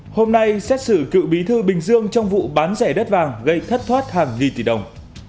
hôm nay xét xử cựu bí thư bình dương trong vụ bán rẻ đất vàng gây thất thoát hàng nghìn tỷ đồng